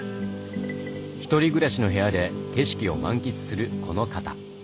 １人暮らしの部屋で景色を満喫するこの方。